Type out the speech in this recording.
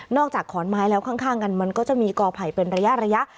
อกจากขอนไม้แล้วข้างกันมันก็จะมีกอไผ่เป็นระยะ